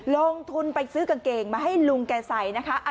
ลงทุนไปซื้อกางเกงมาให้ลุงแกใส่นะคะ